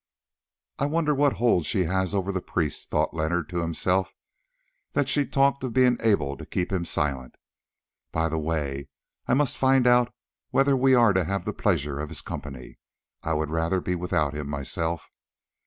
"I wonder what hold she has over that priest," thought Leonard to himself, "that she talked of being able to keep him silent. By the way, I must find out whether we are to have the pleasure of his company. I would rather be without him myself.